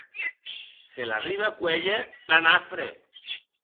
Se l’arribe a cuélher la nafre.